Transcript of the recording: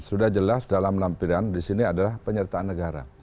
sudah jelas dalam lampiran di sini adalah penyertaan negara